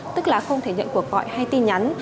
tức là không thể nhận cuộc gọi hay tin nhắn